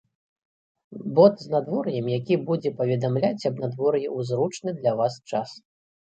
Бот з надвор'ем які будзе паведамляць аб надвор'і ў зручны для вас час.